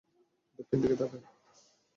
দক্ষিণ দিকে তাকা।